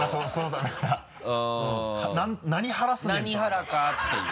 何ハラかっていう。